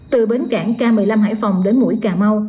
từ bến cảng k một mươi năm hải phòng đến mũi cà mau